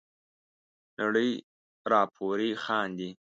نړۍ را پوري خاندي.